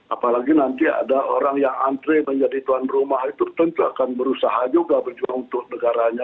apalagi nanti ada orang yang antre menjadi tuan rumah itu tentu akan berusaha juga berjuang untuk negaranya